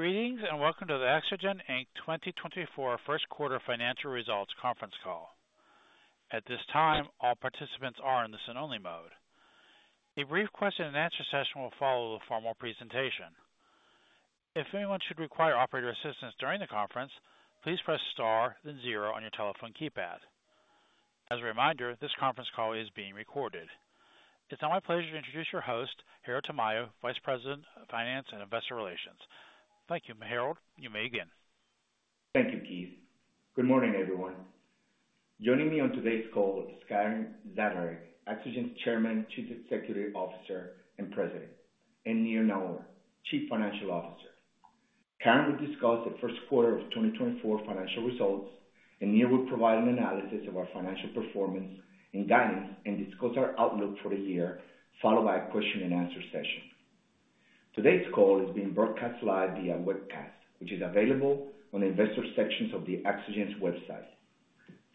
Greetings, and welcome to the Axogen, Inc. 2024 first quarter financial results conference call. At this time, all participants are in listen only mode. A brief question and answer session will follow the formal presentation. If anyone should require operator assistance during the conference, please press star, then zero on your telephone keypad. As a reminder, this conference call is being recorded. It's now my pleasure to introduce your host, Harold Tamayo, Vice President of Finance and Investor Relations. Thank you, Harold. You may begin. Thank you, Keith. Good morning, everyone. Joining me on today's call is Karen Zaderej, Axogen's Chairman, Chief Executive Officer, and President, and Nir Naor, Chief Financial Officer. Karen will discuss the first quarter of 2024 financial results, and Nir will provide an analysis of our financial performance and guidance and discuss our outlook for the year, followed by a question and answer session. Today's call is being broadcast live via webcast, which is available on the Investor sections of the Axogen's website.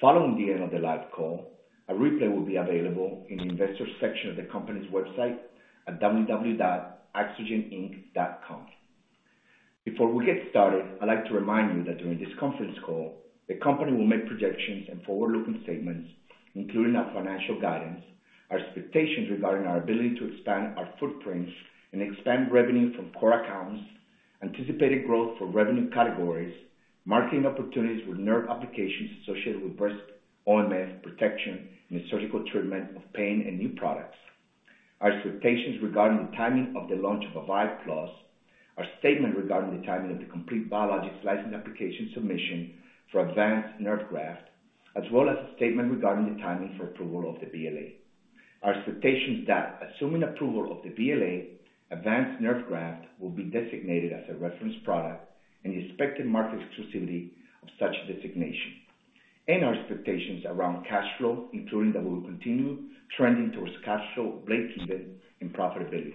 Following the end of the live call, a replay will be available in the Investor section of the company's website at www.axogeninc.com. Before we get started, I'd like to remind you that during this conference call, the company will make projections and forward-looking statements, including our financial guidance, our expectations regarding our ability to expand our footprints and expand revenue from core accounts, anticipated growth for revenue categories, marketing opportunities with nerve applications associated with breast, OMF, protection, and the surgical treatment of pain and new products. Our expectations regarding the timing of the launch of Avive+, our statement regarding the timing of the complete Biologics License Application submission for Avance Nerve Graft, as well as a statement regarding the timing for approval of the BLA. Our expectations that, assuming approval of the BLA, Avance Nerve Graft will be designated as a reference product and the expected market exclusivity of such designation, and our expectations around cash flow, including that we'll continue trending towards cash flow breakeven and profitability.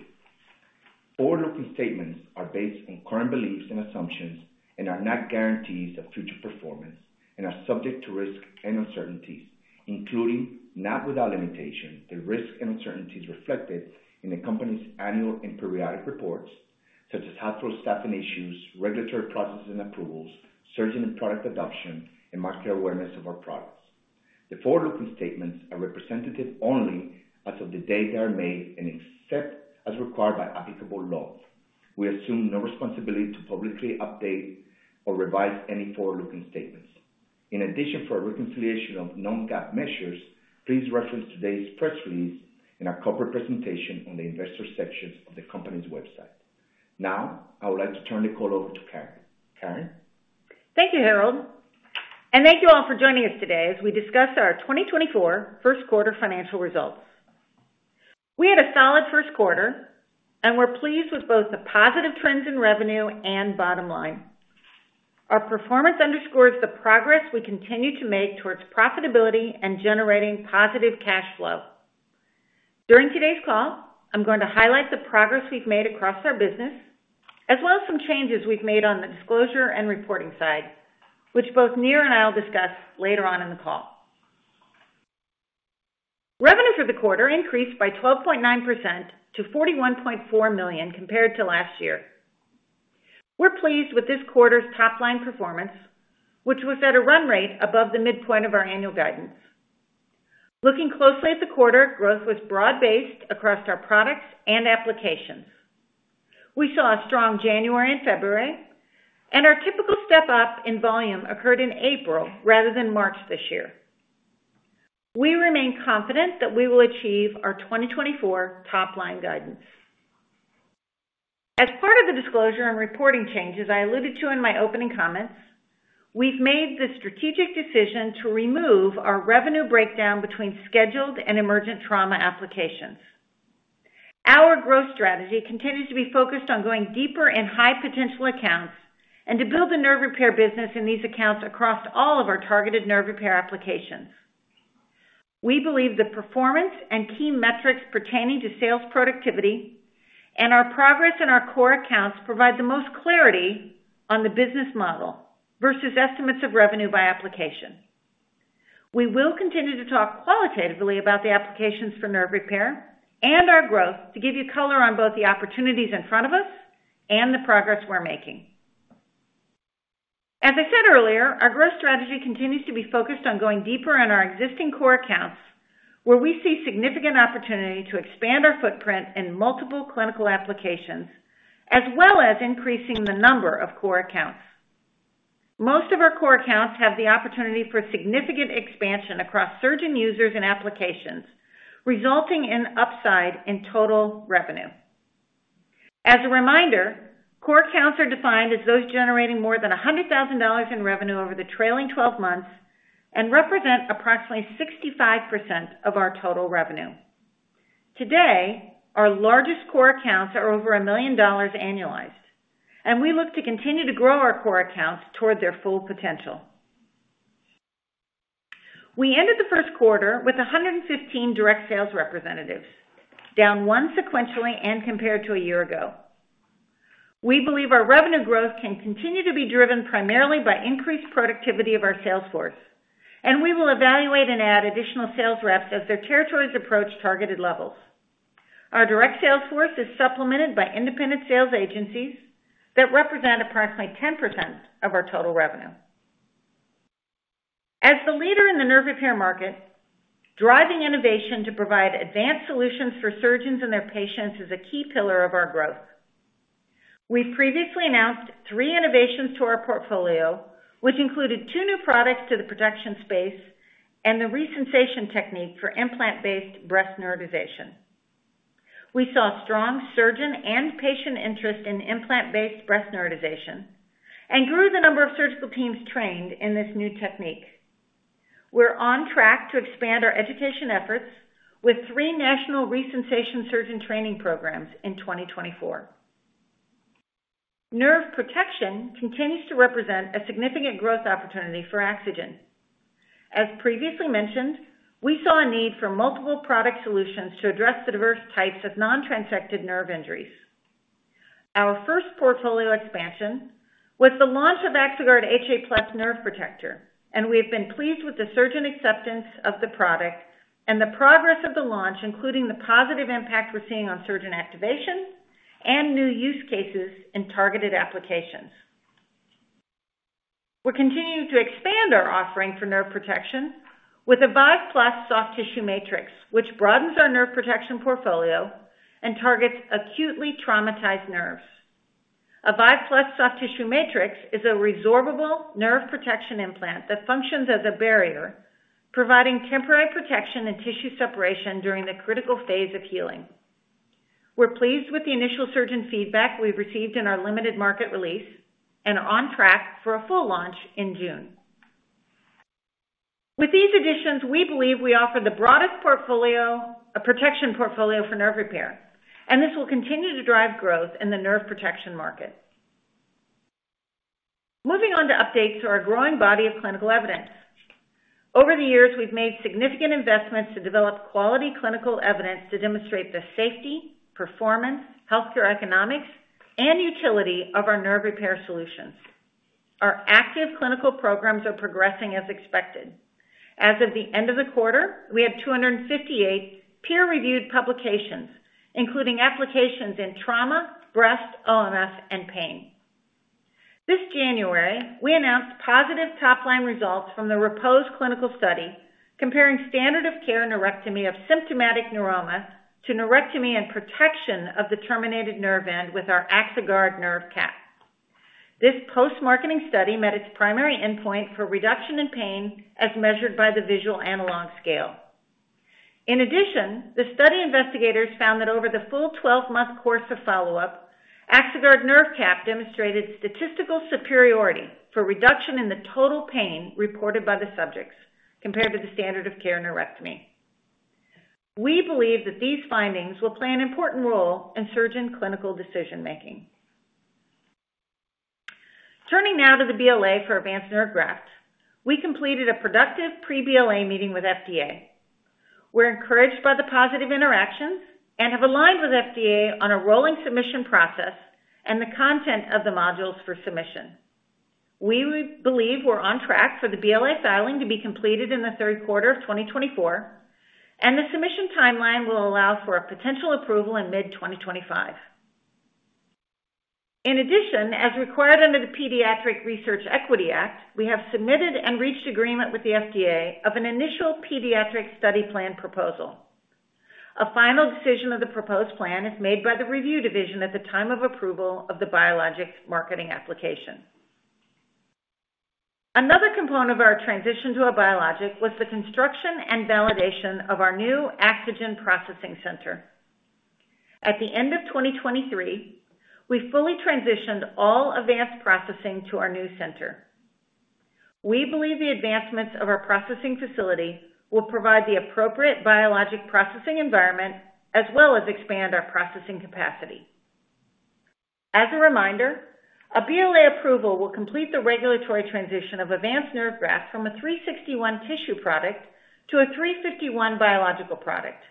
Forward-looking statements are based on current beliefs and assumptions and are not guarantees of future performance and are subject to risks and uncertainties, including, not without limitation, the risks and uncertainties reflected in the company's annual and periodic reports, such as hospital staffing issues, regulatory processes and approvals, surgeon and product adoption, and market awareness of our products. The forward-looking statements are representative only as of the day they are made, and except as required by applicable law. We assume no responsibility to publicly update or revise any forward-looking statements. In addition, for a reconciliation of non-GAAP measures, please reference today's press release and our corporate presentation on the Investor section of the company's website. Now, I would like to turn the call over to Karen. Karen? Thank you, Harold, and thank you all for joining us today as we discuss our 2024 first quarter financial results. We had a solid first quarter, and we're pleased with both the positive trends in revenue and bottom line. Our performance underscores the progress we continue to make towards profitability and generating positive cash flow. During today's call, I'm going to highlight the progress we've made across our business, as well as some changes we've made on the disclosure and reporting side, which both Nir and I will discuss later on in the call. Revenue for the quarter increased by 12.9% to $41.4 million compared to last year. We're pleased with this quarter's top-line performance, which was at a run rate above the midpoint of our annual guidance. Looking closely at the quarter, growth was broad-based across our products and applications. We saw a strong January and February, and our typical step-up in volume occurred in April rather than March this year. We remain confident that we will achieve our 2024 top-line guidance. As part of the disclosure and reporting changes I alluded to in my opening comments, we've made the strategic decision to remove our revenue breakdown between scheduled and emergent trauma applications. Our growth strategy continues to be focused on going deeper in high-potential accounts and to build the nerve repair business in these accounts across all of our targeted nerve repair applications. We believe the performance and key metrics pertaining to sales productivity and our progress in our core accounts provide the most clarity on the business model versus estimates of revenue by application. We will continue to talk qualitatively about the applications for nerve repair and our growth to give you color on both the opportunities in front of us and the progress we're making. As I said earlier, our growth strategy continues to be focused on going deeper in our existing core accounts, where we see significant opportunity to expand our footprint in multiple clinical applications, as well as increasing the number of core accounts. Most of our core accounts have the opportunity for significant expansion across surgeon users and applications, resulting in upside in total revenue. As a reminder, core accounts are defined as those generating more than $100,000 in revenue over the trailing twelve months and represent approximately 65% of our total revenue. Today, our largest core accounts are over $1 million annualized, and we look to continue to grow our core accounts toward their full potential. We ended the first quarter with 115 direct sales representatives, down 1 sequentially and compared to a year ago. We believe our revenue growth can continue to be driven primarily by increased productivity of our sales force, and we will evaluate and add additional sales reps as their territories approach targeted levels. Our direct sales force is supplemented by independent sales agencies that represent approximately 10% of our total revenue. As the leader in the nerve repair market, driving innovation to provide advanced solutions for surgeons and their patients is a key pillar of our growth. We've previously announced 3 innovations to our portfolio, which included 2 new products to the protection space and the ReSensation technique for implant-based breast neurotization. We saw strong surgeon and patient interest in implant-based breast neurotization, and grew the number of surgical teams trained in this new technique. We're on track to expand our education efforts with three national ReSensation surgeon training programs in 2024. Nerve protection continues to represent a significant growth opportunity for Axogen. As previously mentioned, we saw a need for multiple product solutions to address the diverse types of non-transected nerve injuries. Our first portfolio expansion was the launch of Axoguard HA+ Nerve Protector, and we have been pleased with the surgeon acceptance of the product and the progress of the launch, including the positive impact we're seeing on surgeon activation and new use cases in targeted applications. We're continuing to expand our offering for nerve protection with Avive+ Soft Tissue Matrix, which broadens our nerve protection portfolio and targets acutely traumatized nerves. Avive+ Soft Tissue Matrix is a resorbable nerve protection implant that functions as a barrier, providing temporary protection and tissue separation during the critical phase of healing. We're pleased with the initial surgeon feedback we've received in our limited market release, and are on track for a full launch in June. With these additions, we believe we offer the broadest portfolio, a protection portfolio for nerve repair, and this will continue to drive growth in the nerve protection market. Moving on to updates to our growing body of clinical evidence. Over the years, we've made significant investments to develop quality clinical evidence to demonstrate the safety, performance, healthcare economics, and utility of our nerve repair solutions. Our active clinical programs are progressing as expected. As of the end of the quarter, we had 258 peer-reviewed publications, including applications in trauma, breast, OMF, and pain. This January, we announced positive top-line results from the REPOSE clinical study, comparing standard of care neurectomy of symptomatic neuroma to neurectomy and protection of the terminated nerve end with our Axoguard Nerve Cap. This post-marketing study met its primary endpoint for reduction in pain as measured by the Visual Analog Scale. In addition, the study investigators found that over the full 12-month course of follow-up, Axoguard Nerve Cap demonstrated statistical superiority for reduction in the total pain reported by the subjects compared to the standard of care neurectomy. We believe that these findings will play an important role in surgeon clinical decision-making. Turning now to the BLA for Avance Nerve Graft. We completed a productive pre-BLA meeting with FDA. We're encouraged by the positive interactions and have aligned with FDA on a rolling submission process and the content of the modules for submission. We believe we're on track for the BLA filing to be completed in the third quarter of 2024, and the submission timeline will allow for a potential approval in mid-2025. In addition, as required under the Pediatric Research Equity Act, we have submitted and reached agreement with the FDA of an initial pediatric study plan proposal. A final decision of the proposed plan is made by the review division at the time of approval of the biologics marketing application. Another component of our transition to a biologic was the construction and validation of our new Axogen Processing Center. At the end of 2023, we fully transitioned all advanced processing to our new center. We believe the advancements of our processing facility will provide the appropriate biologic processing environment, as well as expand our processing capacity. As a reminder, a BLA approval will complete the regulatory transition of Avance Nerve Graft from a 361 tissue product to a 351 biological product.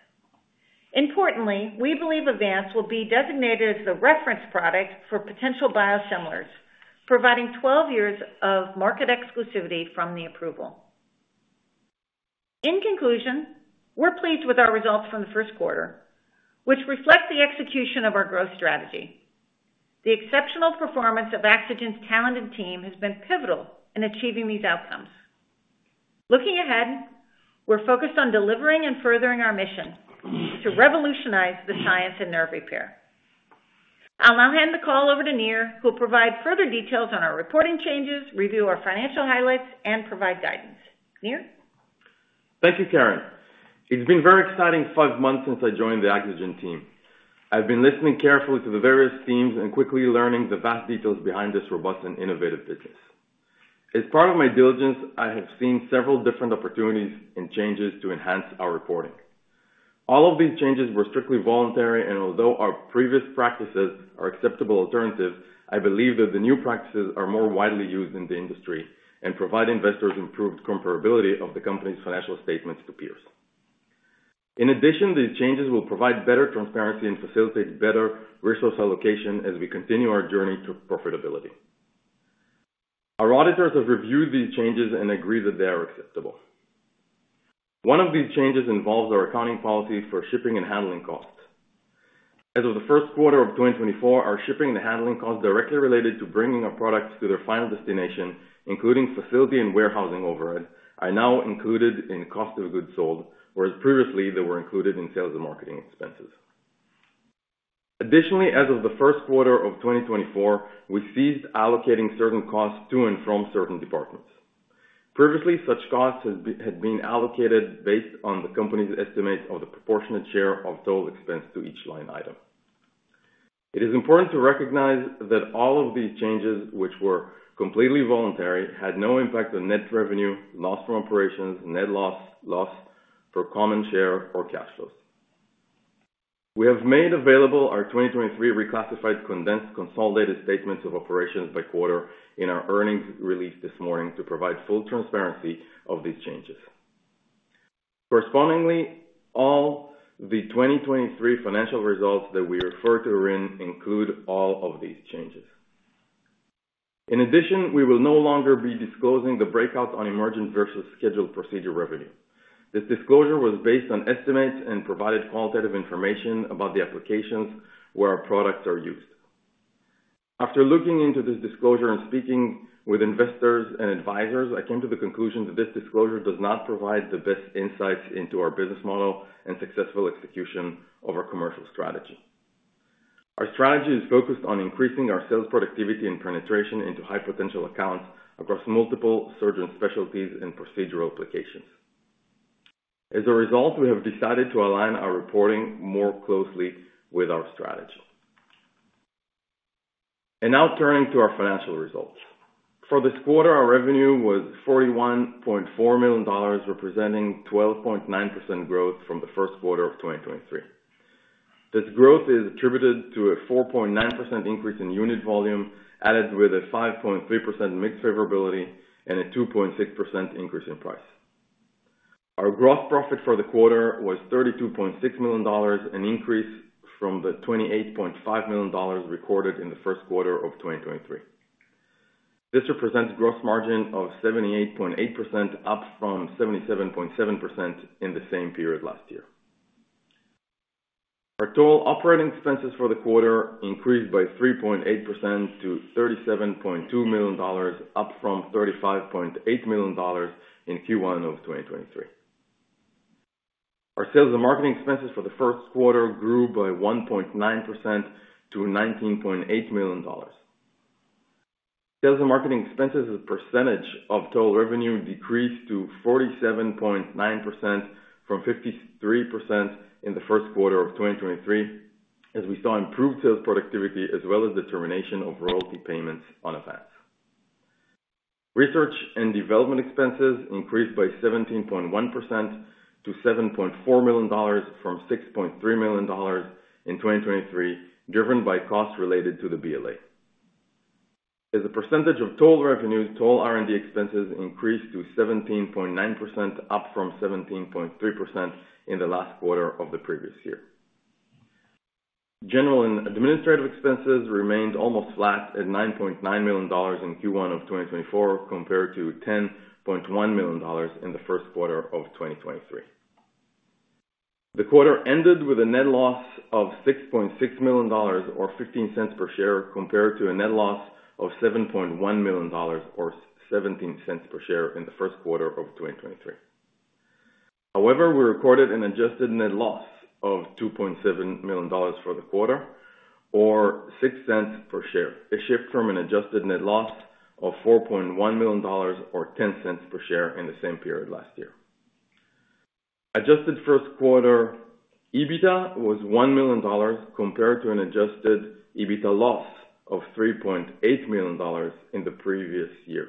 Importantly, we believe Avance will be designated as the reference product for potential biosimilars, providing 12 years of market exclusivity from the approval. In conclusion, we're pleased with our results from the first quarter, which reflect the execution of our growth strategy. The exceptional performance of Axogen's talented team has been pivotal in achieving these outcomes. Looking ahead, we're focused on delivering and furthering our mission to revolutionize the science and nerve repair. I'll now hand the call over to Nir, who'll provide further details on our reporting changes, review our financial highlights, and provide guidance. Nir? Thank you, Karen. It's been very exciting five months since I joined the Axogen team. I've been listening carefully to the various teams and quickly learning the vast details behind this robust and innovative business. As part of my diligence, I have seen several different opportunities and changes to enhance our reporting. All of these changes were strictly voluntary, and although our previous practices are acceptable alternatives, I believe that the new practices are more widely used in the industry and provide investors improved comparability of the company's financial statements to peers. In addition, these changes will provide better transparency and facilitate better resource allocation as we continue our journey to profitability. Our auditors have reviewed these changes and agree that they are acceptable. One of these changes involves our accounting policies for shipping and handling costs. As of the first quarter of 2024, our shipping and handling costs directly related to bringing our products to their final destination, including facility and warehousing overhead, are now included in cost of goods sold, whereas previously, they were included in sales and marketing expenses. Additionally, as of the first quarter of 2024, we ceased allocating certain costs to and from certain departments. Previously, such costs had been allocated based on the company's estimate of the proportionate share of total expense to each line item. It is important to recognize that all of these changes, which were completely voluntary, had no impact on net revenue, loss from operations, net loss, loss for common share, or cash flows. We have made available our 2023 reclassified, condensed, consolidated statements of operations by quarter in our earnings release this morning to provide full transparency of these changes. Correspondingly, all the 2023 financial results that we refer to herein include all of these changes. In addition, we will no longer be disclosing the breakouts on emergent versus scheduled procedure revenue. This disclosure was based on estimates and provided qualitative information about the applications where our products are used. After looking into this disclosure and speaking with investors and advisors, I came to the conclusion that this disclosure does not provide the best insights into our business model and successful execution of our commercial strategy. Our strategy is focused on increasing our sales, productivity, and penetration into high-potential accounts across multiple surgeon specialties and procedural applications. As a result, we have decided to align our reporting more closely with our strategy. Now turning to our financial results. For this quarter, our revenue was $41.4 million, representing 12.9% growth from the first quarter of 2023. This growth is attributed to a 4.9% increase in unit volume, added with a 5.3% mix favorability and a 2.6% increase in price. Our gross profit for the quarter was $32.6 million, an increase from the $28.5 million recorded in the first quarter of 2023. This represents gross margin of 78.8%, up from 77.7% in the same period last year. Our total operating expenses for the quarter increased by 3.8% to $37.2 million, up from $35.8 million in Q1 of 2023. Our sales and marketing expenses for the first quarter grew by 1.9% to $19.8 million. Sales and marketing expenses as a percentage of total revenue decreased to 47.9% from 53% in the first quarter of 2023, as we saw improved sales productivity, as well as the termination of royalty payments on Avance. Research and development expenses increased by 17.1% to $7.4 million, from $6.3 million in 2023, driven by costs related to the BLA. As a percentage of total revenue, total R&D expenses increased to 17.9%, up from 17.3% in the last quarter of the previous year. General and administrative expenses remained almost flat at $9.9 million in Q1 of 2024, compared to $10.1 million in the first quarter of 2023. The quarter ended with a net loss of $6.6 million, or $0.15 per share, compared to a net loss of $7.1 million, or $0.17 per share in the first quarter of 2023. However, we recorded an adjusted net loss of $2.7 million for the quarter or $0.06 per share, a shift from an adjusted net loss of $4.1 million, or $0.10 per share in the same period last year. Adjusted first quarter EBITDA was $1 million, compared to an adjusted EBITDA loss of $3.8 million in the previous year.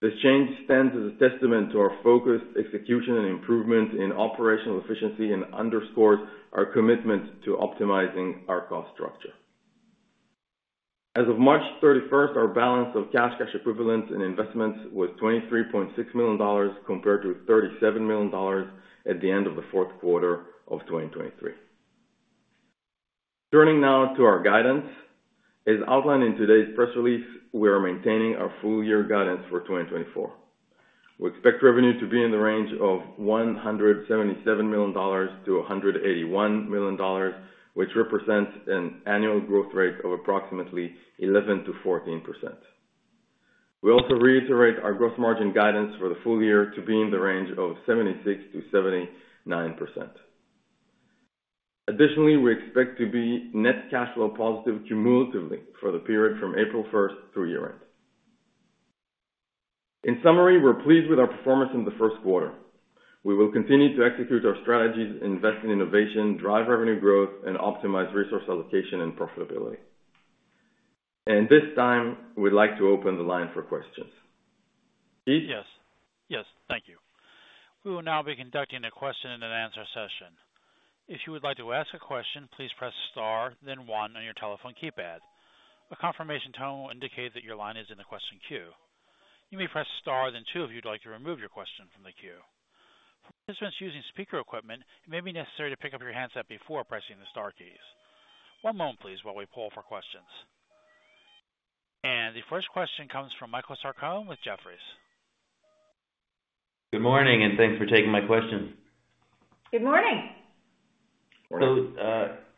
This change stands as a testament to our focused execution and improvement in operational efficiency and underscores our commitment to optimizing our cost structure. As of March 31, our balance of cash, cash equivalents, and investments was $23.6 million, compared to $37 million at the end of the fourth quarter of 2023. Turning now to our guidance. As outlined in today's press release, we are maintaining our full-year guidance for 2024. We expect revenue to be in the range of $177 million-$181 million, which represents an annual growth rate of approximately 11%-14%. We also reiterate our gross margin guidance for the full year to be in the range of 76%-79%. Additionally, we expect to be net cash flow positive cumulatively for the period from April 1 through year-end. In summary, we're pleased with our performance in the first quarter. We will continue to execute our strategies, invest in innovation, drive revenue growth, and optimize resource allocation and profitability. At this time, we'd like to open the line for questions. Steve? Yes. Yes, thank you. We will now be conducting a question and answer session. If you would like to ask a question, please press star, then one on your telephone keypad. A confirmation tone will indicate that your line is in the question queue. You may press star, then two, if you'd like to remove your question from the queue... Participants using speaker equipment, it may be necessary to pick up your handset before pressing the star keys. One moment please, while we pull for questions. The first question comes from Michael Sarcone with Jefferies. Good morning, and thanks for taking my questions. Good morning! So,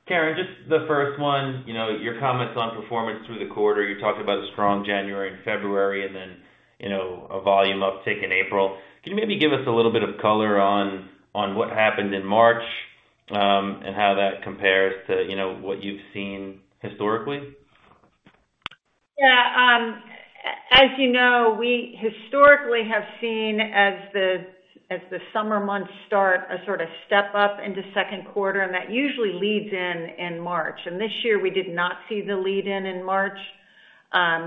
Karen, just the first one, you know, your comments on performance through the quarter. You talked about a strong January and February, and then, you know, a volume uptick in April. Can you maybe give us a little bit of color on what happened in March, and how that compares to, you know, what you've seen historically? Yeah, as you know, we historically have seen, as the summer months start, a sort of step up into second quarter, and that usually leads in March. This year, we did not see the lead in March.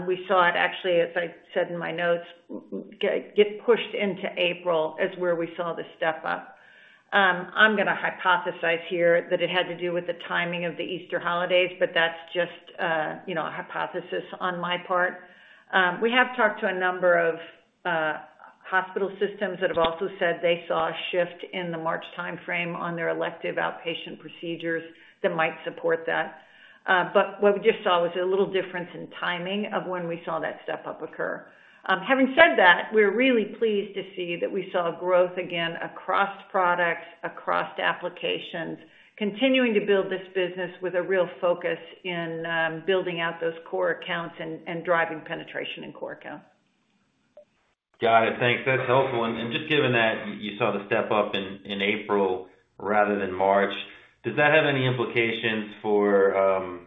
We saw it actually, as I said in my notes, get pushed into April, is where we saw the step up. I'm gonna hypothesize here that it had to do with the timing of the Easter holidays, but that's just, you know, a hypothesis on my part. We have talked to a number of hospital systems that have also said they saw a shift in the March timeframe on their elective outpatient procedures that might support that. But what we just saw was a little difference in timing of when we saw that step-up occur. Having said that, we're really pleased to see that we saw growth again across products, across applications, continuing to build this business with a real focus in building out those core accounts and driving penetration in core accounts. Got it. Thanks, that's helpful. And just given that you saw the step up in April rather than March, does that have any implications for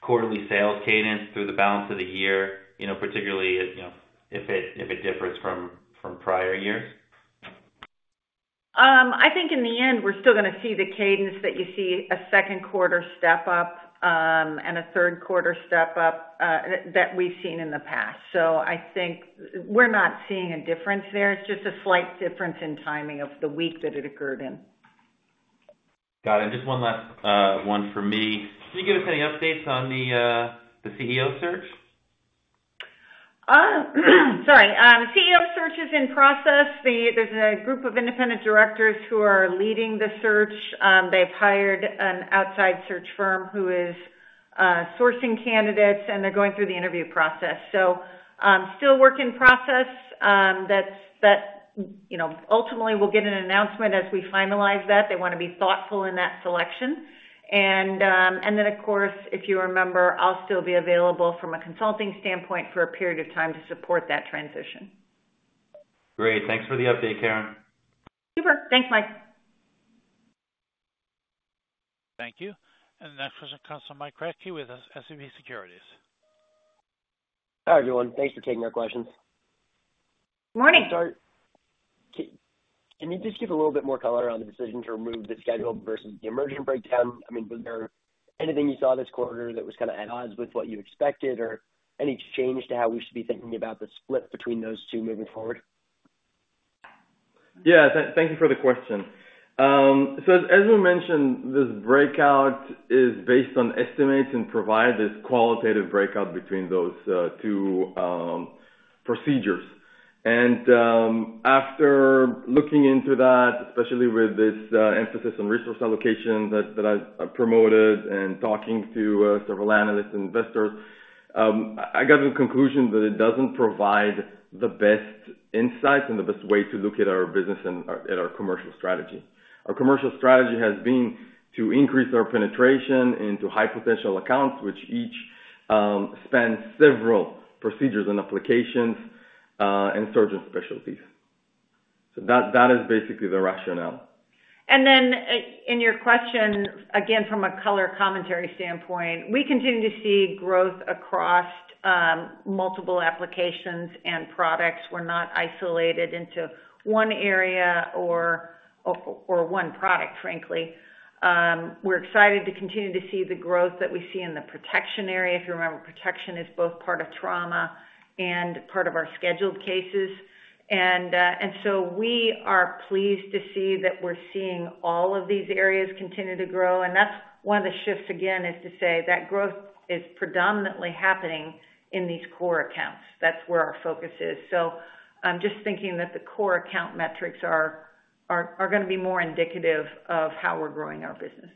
quarterly sales cadence through the balance of the year, you know, particularly if, you know, if it differs from prior years? I think in the end, we're still gonna see the cadence that you see a second quarter step up, and a third quarter step up, that we've seen in the past. So I think we're not seeing a difference there. It's just a slight difference in timing of the week that it occurred in. Got it. Just one last, one for me. Can you give us any updates on the, the CEO search? Sorry. CEO search is in process. There's a group of independent directors who are leading the search. They've hired an outside search firm who is sourcing candidates, and they're going through the interview process. So, still a work in process. That's, you know... Ultimately, we'll give an announcement as we finalize that. They want to be thoughtful in that selection. And, then, of course, if you remember, I'll still be available from a consulting standpoint for a period of time to support that transition. Great. Thanks for the update, Karen. Super. Thanks, Mike. Thank you. And the next question comes from Mike Kratky with SVB Securities. Hi, everyone. Thanks for taking our questions. Good morning. To start, can you just give a little bit more color around the decision to remove the scheduled versus the emergent breakdown? I mean, was there anything you saw this quarter that was kind of at odds with what you expected, or any change to how we should be thinking about the split between those two moving forward? Yeah, thank you for the question. So as we mentioned, this breakout is based on estimates and provide this qualitative breakout between those two procedures. And after looking into that, especially with this emphasis on resource allocation that I promoted and talking to several analysts and investors, I got to the conclusion that it doesn't provide the best insight and the best way to look at our business and our commercial strategy. Our commercial strategy has been to increase our penetration into high-potential accounts, which each spend several procedures and applications and surgeon specialties. So that is basically the rationale. Then, in your question, again, from a color commentary standpoint, we continue to see growth across multiple applications and products. We're not isolated into one area or one product, frankly. We're excited to continue to see the growth that we see in the protection area. If you remember, protection is both part of trauma and part of our scheduled cases. And so we are pleased to see that we're seeing all of these areas continue to grow, and that's one of the shifts, again, is to say that growth is predominantly happening in these core accounts. That's where our focus is. So I'm just thinking that the core account metrics are gonna be more indicative of how we're growing our business.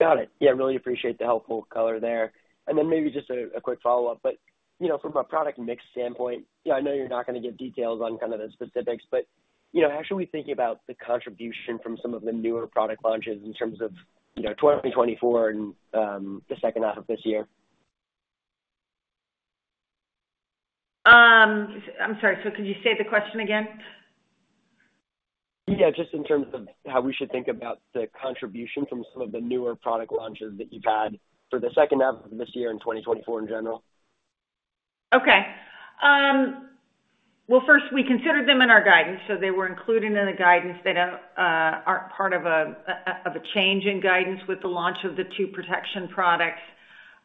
Got it. Yeah, really appreciate the helpful color there. And then maybe just a quick follow-up. But, you know, from a product mix standpoint, yeah, I know you're not gonna give details on kind of the specifics, but, you know, how should we think about the contribution from some of the newer product launches in terms of, you know, 2024 and the second half of this year? I'm sorry, so can you state the question again? Yeah, just in terms of how we should think about the contribution from some of the newer product launches that you've had for the second half of this year and 2024 in general. Okay. Well, first, we considered them in our guidance, so they were included in the guidance. They aren't part of a change in guidance with the launch of the two protection products.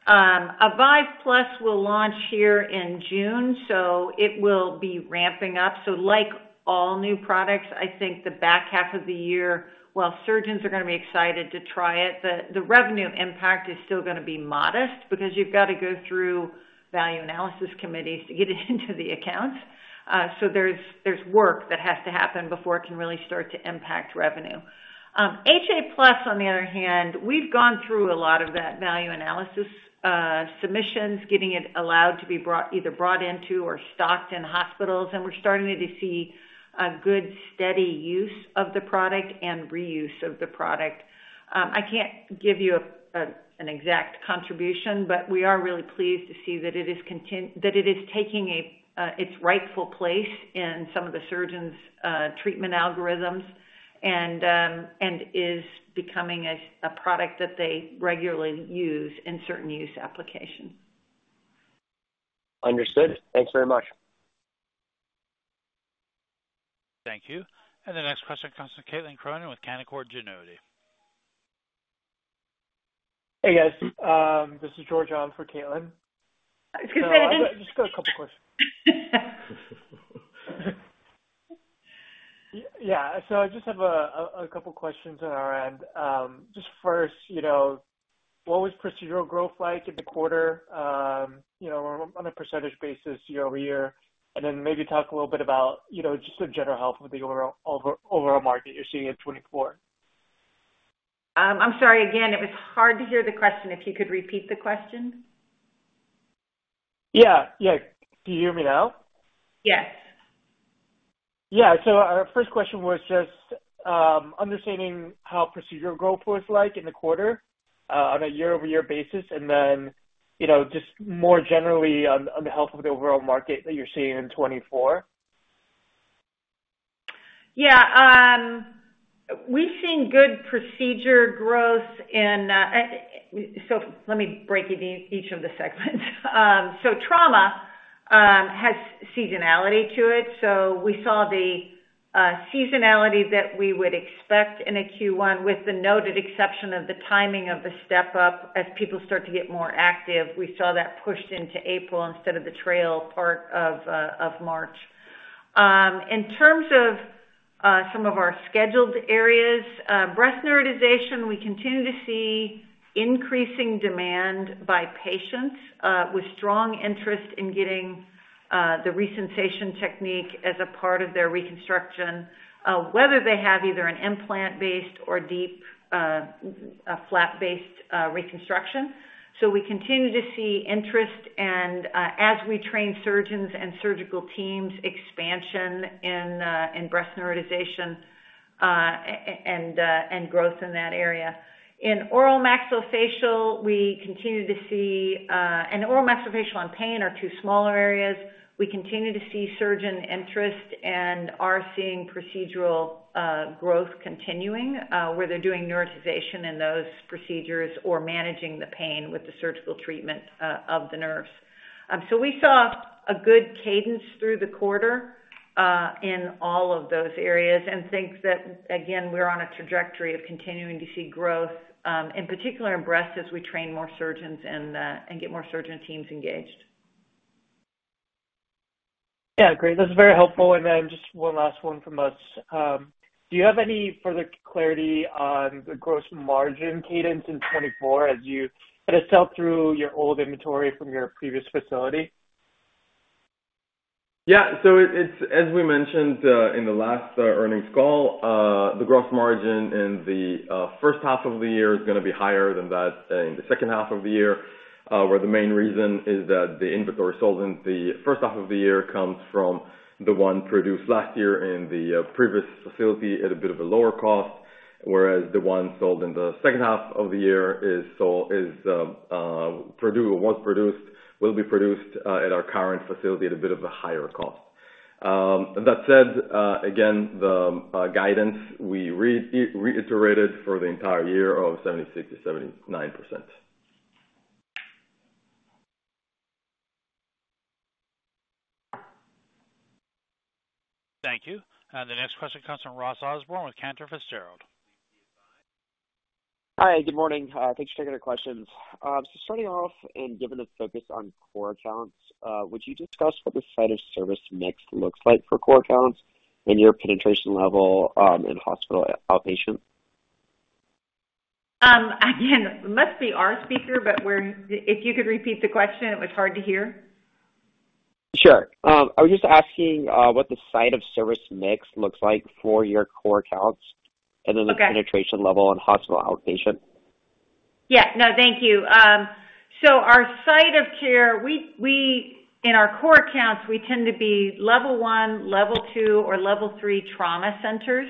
Avive+ will launch here in June, so it will be ramping up. So like all new products, I think the back half of the year, while surgeons are going to be excited to try it, the revenue impact is still going to be modest because you've got to go through value analysis committees to get it into the account. So there's work that has to happen before it can really start to impact revenue. HA+, on the other hand, we've gone through a lot of that value analysis, submissions, getting it allowed to be brought- either brought into or stocked in hospitals, and we're starting to see a good, steady use of the product and reuse of the product. I can't give you an exact contribution, but we are really pleased to see that it is taking a, its rightful place in some of the surgeons', treatment algorithms and, and is becoming a product that they regularly use in certain use applications. Understood. Thanks very much. Thank you. The next question comes from Caitlin Cronin with Canaccord Genuity. Hey, guys. This is George on for Caitlin. Excuse me, I didn't- I've just got a couple questions. Yeah, so I just have a couple questions on our end. Just first, you know, what was procedural growth like in the quarter, you know, on a percentage basis, year-over-year? And then maybe talk a little bit about, you know, just the general health of the overall, overall market you're seeing in 2024. I'm sorry, again, it was hard to hear the question. If you could repeat the question? Yeah. Yeah. Do you hear me now? Yes. Yeah. So our first question was just understanding how procedural growth was like in the quarter on a year-over-year basis, and then, you know, just more generally on, on the health of the overall market that you're seeing in 2024. Yeah, we've seen good procedure growth in... So let me break it to you, each of the segments. So trauma has seasonality to it. So we saw the seasonality that we would expect in a Q1, with the noted exception of the timing of the step up. As people start to get more active, we saw that pushed into April instead of the trail part of of March. In terms of some of our scheduled areas, breast neurotization, we continue to see increasing demand by patients with strong interest in getting the ReSensation technique as a part of their reconstruction, whether they have either an implant-based or DIEP flap-based reconstruction. So we continue to see interest, and as we train surgeons and surgical teams, expansion in breast neurotization and growth in that area. In oral maxillofacial, we continue to see, and oral maxillofacial and pain are two smaller areas. We continue to see surgeon interest and are seeing procedural growth continuing where they're doing neurotization in those procedures or managing the pain with the surgical treatment of the nerves. So we saw a good cadence through the quarter in all of those areas, and think that, again, we're on a trajectory of continuing to see growth, in particular in breast, as we train more surgeons and get more surgeon teams engaged. Yeah, great. That's very helpful. And then just one last one from us. Do you have any further clarity on the gross margin cadence in 2024 as you kind of sell through your old inventory from your previous facility? Yeah. So it's, as we mentioned, in the last earnings call, the gross margin in the first half of the year is going to be higher than that in the second half of the year, where the main reason is that the inventory sold in the first half of the year comes from the one produced last year in the previous facility at a bit of a lower cost, whereas the one sold in the second half of the year is sold—is produced, was produced—will be produced at our current facility at a bit of a higher cost. That said, again, the guidance we reiterated for the entire year of 76%-79%. Thank you. The next question comes from Ross Osborn with Cantor Fitzgerald. Hi, good morning. Thanks for taking the questions. Starting off and given a focus on core accounts, would you discuss what the site of service mix looks like for core accounts and your penetration level in hospital outpatient? Again, must be our speaker, but if you could repeat the question, it was hard to hear. Sure. I was just asking what the site of service mix looks like for your core accounts- Okay. and then the penetration level on hospital outpatient. Yeah. No, thank you. So our site of care, in our core accounts, we tend to be level one, level two, or level three trauma centers,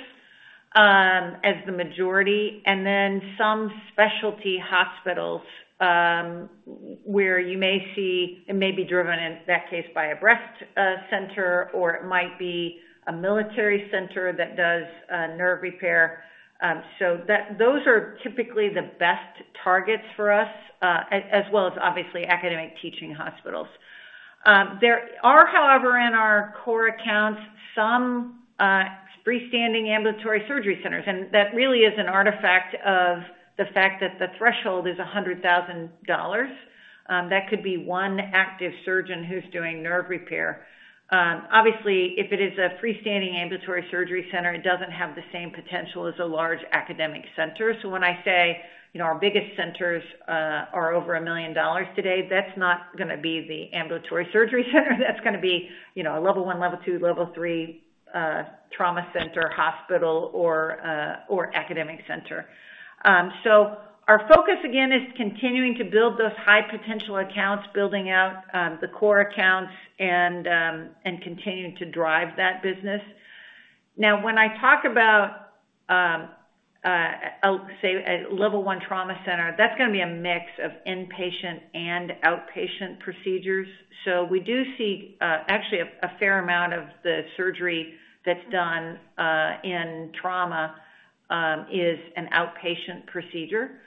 as the majority, and then some specialty hospitals, where you may see it may be driven, in that case, by a breast center, or it might be a military center that does nerve repair. So that... Those are typically the best targets for us, as well as obviously academic teaching hospitals. There are, however, in our core accounts, some freestanding ambulatory surgery centers, and that really is an artifact of the fact that the threshold is $100,000. That could be one active surgeon who's doing nerve repair. Obviously, if it is a freestanding ambulatory surgery center, it doesn't have the same potential as a large academic center. So when I say, you know, our biggest centers are over $1 million today, that's not gonna be the ambulatory surgery center. That's gonna be, you know, a level one, level two, level three trauma center, hospital, or academic center. So our focus, again, is continuing to build those high potential accounts, building out the core accounts, and continuing to drive that business. Now, when I talk about say, a level one trauma center, that's gonna be a mix of inpatient and outpatient procedures. So we do see actually, a fair amount of the surgery that's done in trauma is an outpatient procedure.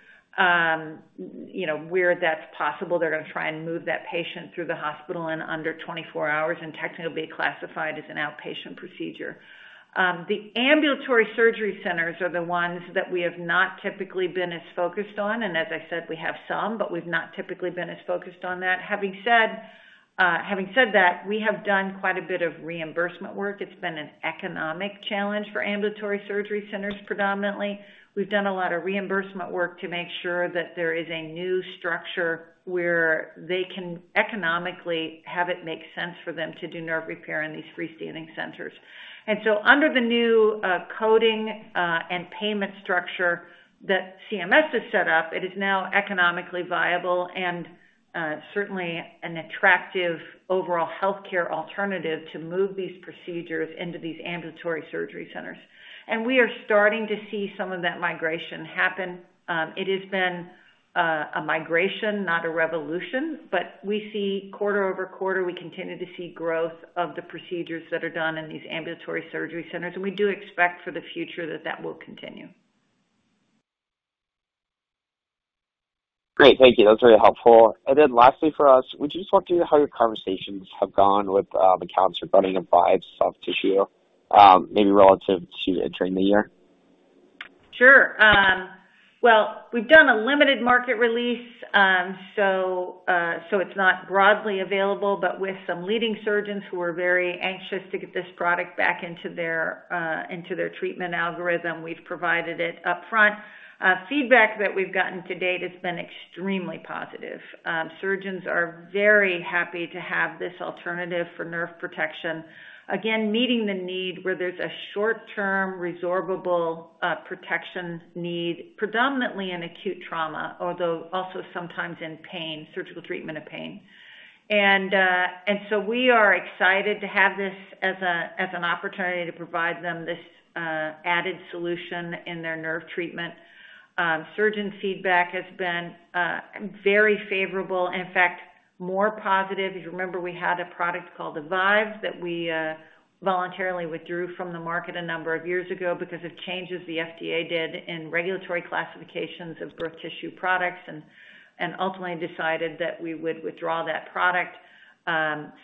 You know, where that's possible, they're gonna try and move that patient through the hospital in under 24 hours, and technically, it'll be classified as an outpatient procedure. The ambulatory surgery centers are the ones that we have not typically been as focused on, and as I said, we have some, but we've not typically been as focused on that. Having said, having said that, we have done quite a bit of reimbursement work. It's been an economic challenge for ambulatory surgery centers, predominantly. We've done a lot of reimbursement work to make sure that there is a new structure where they can economically have it make sense for them to do nerve repair in these freestanding centers. And so under the new, coding, and payment structure that CMS has set up, it is now economically viable and, certainly an attractive overall healthcare alternative to move these procedures into these ambulatory surgery centers. And we are starting to see some of that migration happen. It has been a migration, not a revolution, but we see quarter-over-quarter, we continue to see growth of the procedures that are done in these ambulatory surgery centers, and we do expect for the future that that will continue. Great. Thank you. That's very helpful. And then lastly, for us, would you just talk through how your conversations have gone with the accounts regarding the Avive soft tissue, maybe relative to entering the year? Sure. Well, we've done a limited market release, so it's not broadly available, but with some leading surgeons who are very anxious to get this product back into their treatment algorithm, we've provided it upfront. Feedback that we've gotten to date has been extremely positive. Surgeons are very happy to have this alternative for nerve protection. Again, meeting the need where there's a short-term, resorbable protection need, predominantly in acute trauma, although also sometimes in pain, surgical treatment of pain. And so we are excited to have this as an opportunity to provide them this added solution in their nerve treatment. Surgeon feedback has been very favorable. In fact, more positive, because remember, we had a product called Avive that we voluntarily withdrew from the market a number of years ago because of changes the FDA did in regulatory classifications of birth tissue products and ultimately decided that we would withdraw that product.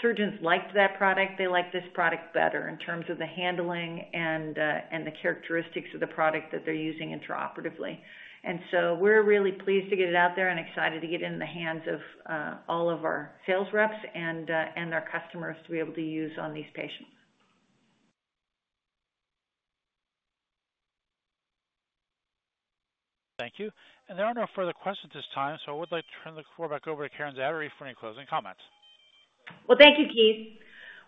Surgeons liked that product. They like this product better in terms of the handling and the characteristics of the product that they're using intraoperatively. And so we're really pleased to get it out there and excited to get it in the hands of all of our sales reps and our customers to be able to use on these patients. Thank you. There are no further questions at this time, so I would like to turn the call back over to Karen Zaderej for any closing comments. Well, thank you, Keith.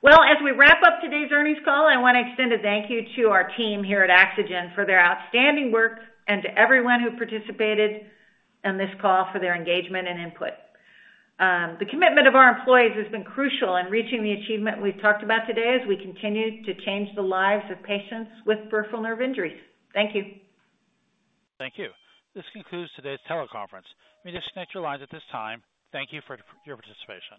Well, as we wrap up today's earnings call, I want to extend a thank you to our team here at Axogen for their outstanding work and to everyone who participated in this call for their engagement and input. The commitment of our employees has been crucial in reaching the achievement we've talked about today as we continue to change the lives of patients with peripheral nerve injuries. Thank you. Thank you. This concludes today's teleconference. You may disconnect your lines at this time. Thank you for your participation.